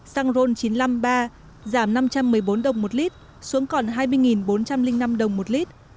xăng ron chín trăm năm mươi ba giảm năm trăm một mươi bốn đồng một lít xuống còn hai mươi bốn trăm linh năm đồng một lít